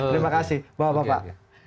terima kasih bapak bapak